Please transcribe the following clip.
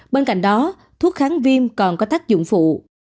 bên cạnh đó thuốc kháng viêm còn có tác dụng phụ